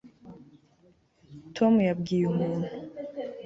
tom yabwiye umuntu